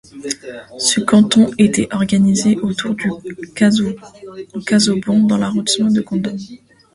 Ce canton était organisé autour de Cazaubon dans l'arrondissement de Condom.